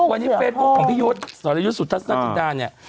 วันนี้เป็นของพี่ยศสรรยศุทธรรมนาจิตราเนี่ย